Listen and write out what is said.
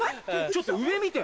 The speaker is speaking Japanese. ちょっと上見て！